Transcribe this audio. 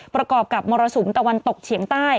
ประกอบกับมรสุมตะวันตกเฉียงใต้